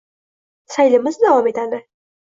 saylimiz davom etadi.